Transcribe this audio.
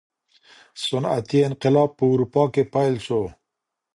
صنعتي انقلاب په اروپا کي پیل سو.